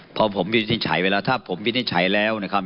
พอผมวินิจฉัยไปแล้วถ้าผมวินิจฉัยแล้วนะครับ